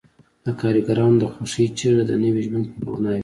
د کارګرانو د خوښۍ چیغې د نوي ژوند په مانا وې